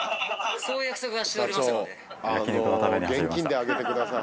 そういう約束はしてありますので。